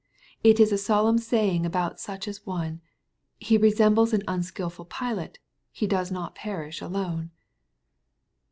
It is a solemn saying about such an one, ^' He resembles an unskilful pilot : he does not perish alone."